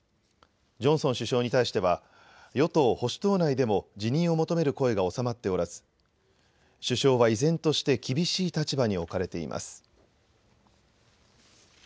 ジョンソン首相に対しては与党保守党内でも辞任を求める声が収まっておらず首相は依然として厳しい立場に置かれています。